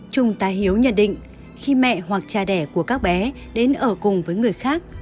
trung tá hiếu nhận định khi mẹ hoặc cha đẻ của các bé đến ở cùng với người khác